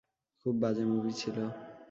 খুব বাজে মুভি ছিল।